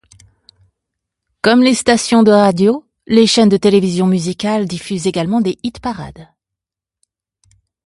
Comme les stations de radio, les chaînes de télévision musicales diffusent également des hit-parades.